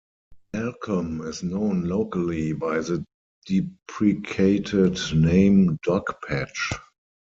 Malcolm is known locally by the deprecated name Dogpatch.